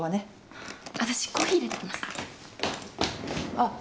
あっ。